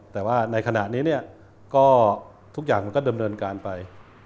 แต่ว่าในขณะนี้เนี่ยก็ทุกอย่างมันก็ดำเนินการไป